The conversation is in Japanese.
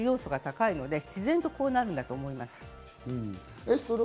そういう要素が高いので自然とそうなるんだと思います。